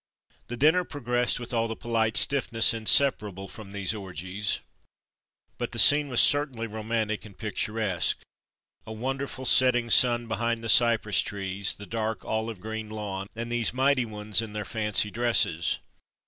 '' The dinner progressed with all the polite stiffness inseparable from these orgies, but the scene was certainly romantic and pic turesque. A wonderful setting sun behind the cypress trees, the dark olive green lawn, and these mighty ones in their fancy dresses.